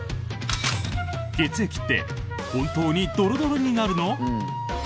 血液って本当にドロドロになるの？